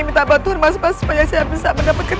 minta bantuan mas pas supaya saya bisa mendapatkan